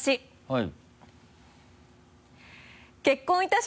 はい。